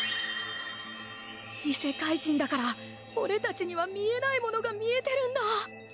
異世界人だから俺たちには見えないものが見えてるんだ！